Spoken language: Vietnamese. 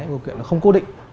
nó không cố định